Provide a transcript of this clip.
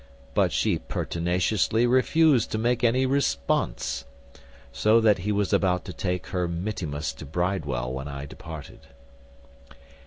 But she pertinaciously refused to make any response. So that he was about to make her mittimus to Bridewell when I departed."